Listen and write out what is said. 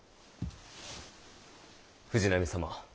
藤波様。